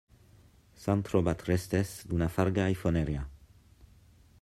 S'han trobat restes d'una farga i foneria.